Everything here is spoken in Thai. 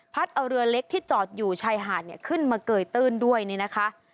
พัดเอาเรือเล็กที่จอดอยู่ชายหาดขึ้นมาเกยตื้นด้วยนะคะ